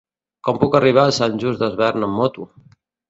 Com puc arribar a Sant Just Desvern amb moto?